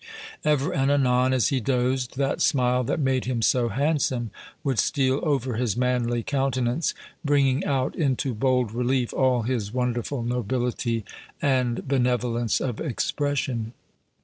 Ever and anon, as he dozed, that smile that made him so handsome would steal over his manly countenance, bringing out into bold relief all his wonderful nobility and benevolence of expression.